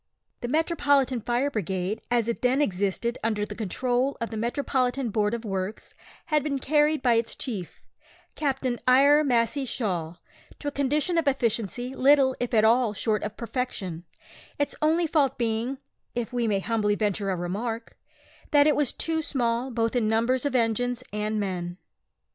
The "Metropolitan Fire Brigade," as it then existed under the control of the Metropolitan Board of Works, had been carried by its chief, Captain Eyre Massey Shaw, to a condition of efficiency little if at all short of perfection, its only fault being (if we may humbly venture a remark) that it was too small both in numbers of engines and men.